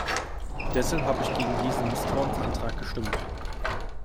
Deshalb habe ich gegen diesen Misstrauensantrag gestimmt.